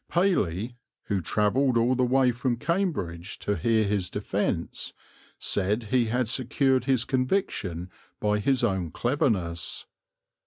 Paley, who travelled all the way from Cambridge to hear his defence, said he had secured his conviction by his own cleverness.